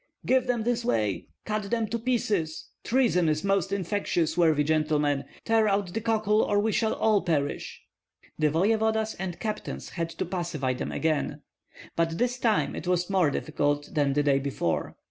"Give them this way!" "Cut them to pieces! Treason is most infectious, worthy gentlemen. Tear out the cockle or we shall all perish!" The voevodas and captains had to pacify them again, but this time it was more difficult than the day before.